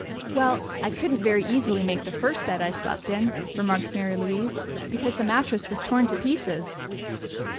"Well, I couldn't very easily make the first bed I slept in," remarked Mary Louise. "Because the mattress was torn to pieces."